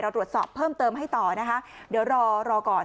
ตรวจสอบเพิ่มเติมให้ต่อนะคะเดี๋ยวรอรอก่อน